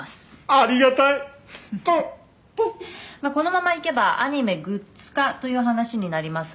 ありがたいうっ「このままいけばアニメグッズ化という話になりますが」